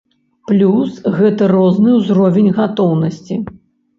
Плюс гэта розны ўзровень гатоўнасці.